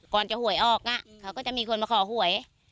ก่อนจะหวยออกเขาก็จะมีคนมาขอหวย